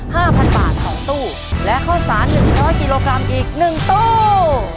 ห้าพันบาทสองตู้และข้าวสารหนึ่งร้อยกิโลกรัมอีกหนึ่งตู้